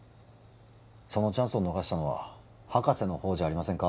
そのチャンスを逃したのは博士の方じゃありませんか？